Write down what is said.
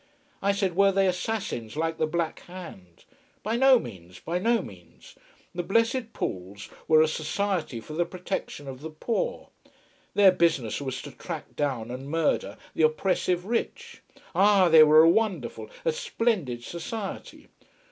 I said were they assassins like the Black Hand. By no means, by no means. The Blessed Pauls were a society for the protection of the poor. Their business was to track down and murder the oppressive rich. Ah, they were a wonderful, a splendid society.